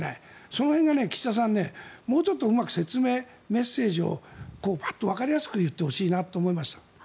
その辺が岸田さん、もうちょっとうまく説明、メッセージをわかりやすく言ってほしいなと思いました。